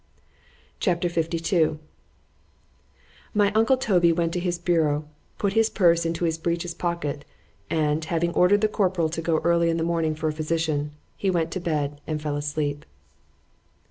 C H A P. LII ——MY uncle Toby went to his bureau,—put his purse into his breeches pocket, and having ordered the corporal to go early in the morning for a physician,—he went to bed, and fell asleep.